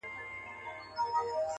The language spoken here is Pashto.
پخوانیو ملتونو لوی تمدنونه جوړ کړل